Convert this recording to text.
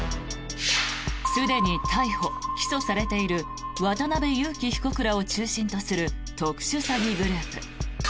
すでに逮捕・起訴されている渡邉優樹被告らを中心とする特殊詐欺グループ。